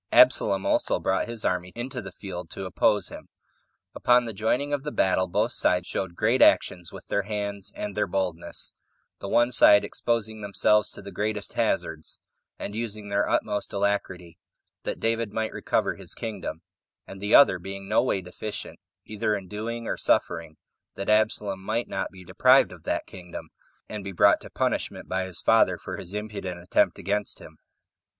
Absalom also brought his army into the field to oppose him. Upon the joining of the battle, both sides showed great actions with their hands and their boldness; the one side exposing themselves to the greatest hazards, and using their utmost alacrity, that David might recover his kingdom; and the other being no way deficient, either in doing or suffering, that Absalom might not be deprived of that kingdom, and be brought to punishment by his father for his impudent attempt against him.